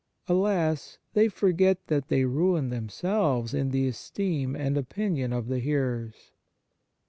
Alas ! they forget that they ruin themselves in the esteem and opinion of the hearers.